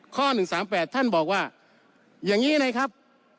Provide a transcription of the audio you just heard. ข้อ๑๓๘ท่านบอกว่าอย่างนี้นะครับ